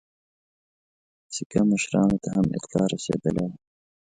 سیکه مشرانو ته هم اطلاع رسېدلې وه.